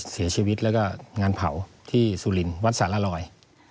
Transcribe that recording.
เสียชีวิตแล้วก็งานเผาที่สุรินวัดสารลอย